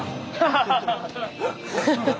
ハハハハッ！